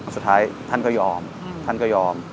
สุดท้ายท่านก็ยอมท่านก็ยอม